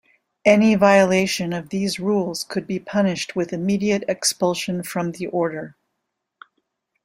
Any violation of these rules could be punished with immediate expulsion from the order.